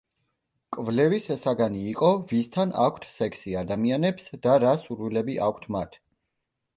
კვლევის საგანი იყო „ვისთან აქვთ სექსი ადამიანებს და რა სურვილები აქვთ მათ“.